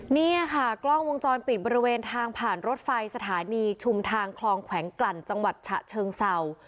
นี่ค่ะกล้องวงจรปิดบริเวณทางผ่านรถไฟสถานีชุมทางคลองแขวงกลั่นจังหวัดฉะเชิงเศร้า